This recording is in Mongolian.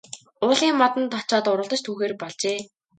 Уулын модонд очоод уралдаж түүхээр болжээ.